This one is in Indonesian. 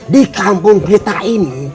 di kampung kita ini